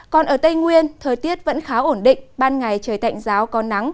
còn ở tây nguyên thời tiết vẫn khá ổn định ban ngày trời tạnh giáo có nắng